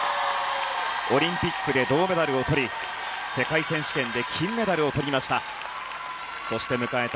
オリンピックで銅メダルをとり世界選手権で金メダルをとりました。